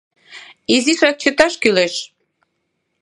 Изишак чыташ кӱлеш...